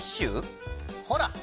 ほら！